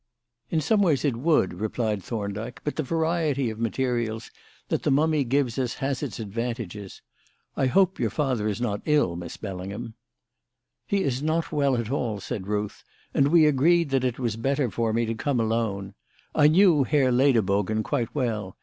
"In some ways it would," replied Thorndyke, "but the variety of materials that the mummy gives us has its advantages. I hope your father is not ill, Miss Bellingham." "He is not at all well," said Ruth, "and we agreed that it was better for me to come alone. I knew Herr Lederbogen quite well.